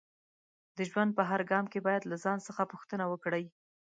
د ژوند په هر ګام کې باید له ځان څخه پوښتنه وکړئ